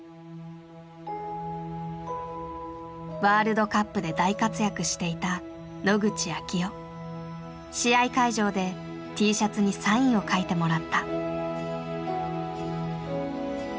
ワールドカップで大活躍していた試合会場でＴシャツにサインを書いてもらった。